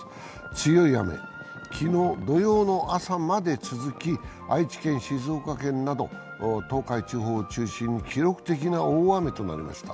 強い雨、昨日、土曜の朝まで続き愛知県、静岡県など東海地方を中心に記録的な大雨となりました。